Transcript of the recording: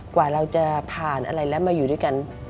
กว่าเราจะผ่านอะไรแล้วมาอยู่ด้วยกัน